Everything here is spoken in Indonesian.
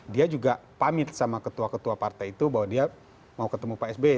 dia juga pamit sama ketua ketua partai itu bahwa dia mau ketemu pak sby